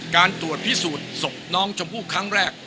การตรวจพิสูจน์ศพน้องชมพู่ครั้งแรก